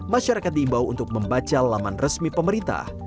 masyarakat diimbau untuk membaca laman resmi pemerintah